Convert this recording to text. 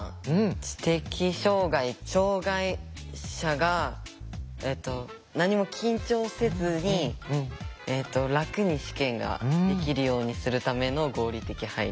知的障害障害者がえっと何も緊張せずに楽に試験ができるようにするための合理的配慮。